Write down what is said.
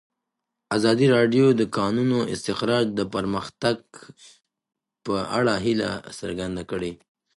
ازادي راډیو د د کانونو استخراج د پرمختګ په اړه هیله څرګنده کړې.